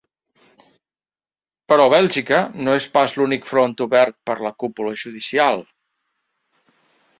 Però Bèlgica no és pas l’únic front obert per la cúpula judicial.